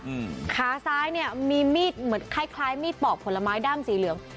อืมขาซ้ายเนี้ยมีมีดเหมือนคล้ายคล้ายมีดปอกผลไม้ด้ามสีเหลือง